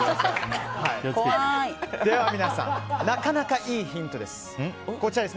では皆さんなかなかいいヒントです。